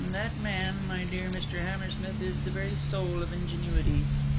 That man, my dear Mr. Hammersmith, is the very soul of ingenuity.